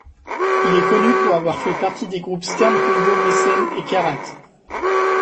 Il est connu pour avoir fait partie des groupes Stern-Combo Meissen et Karat.